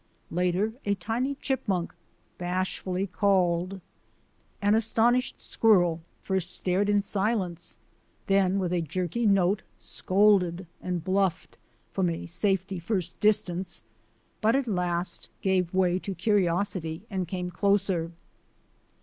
Later a tiny chipmunk bashfully called. An astonished squirrel first stared in silence, then with jerky note scolded and bluffed from a safety first distance, but at last gave way to curiosity and came closer.